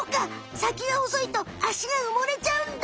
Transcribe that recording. さきが細いと足がうもれちゃうんだ。